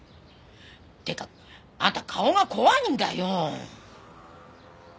ていうかあんた顔が怖いんだよ！